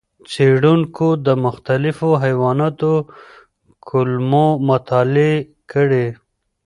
څېړونکو د مختلفو حیواناتو کولمو مطالعې کړې.